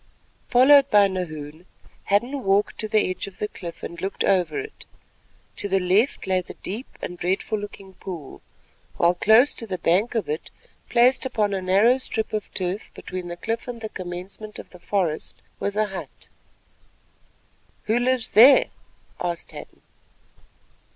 Followed by Nahoon, Hadden walked to the edge of the cliff and looked over it. To the left lay the deep and dreadful looking pool, while close to the bank of it, placed upon a narrow strip of turf between the cliff and the commencement of the forest, was a hut. "Who lives there?" asked Hadden.